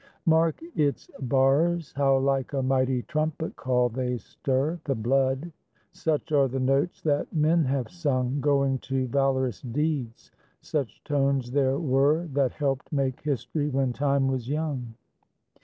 Mark its bars How like a mighty trumpet call they stir The blood. Such are the notes that men have sung Going to valorous deeds; such tones there were That helped make history when Time was young.